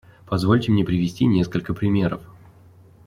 Позвольте мне привести несколько примеров.